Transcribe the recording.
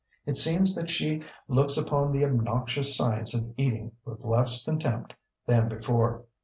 It seems that she looks upon the obnoxious science of eating with less contempt than before.